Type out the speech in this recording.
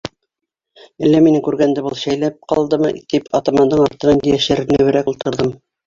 Әллә минең күргәнде был шәйләп ҡалдымы, тип атамандың артына йәшеренеберәк ултырҙым.